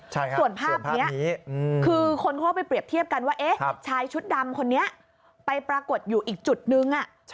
ส่วนภาพนี้คือคนเข้าไปเปรียบเทียบกันว่าชายชุดดำคนนี้ไปปรากฏอยู่อีกจุดนึง